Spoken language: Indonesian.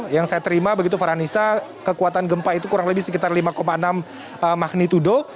yang saya terima begitu farhanisa kekuatan gempa itu kurang lebih sekitar lima enam magnitudo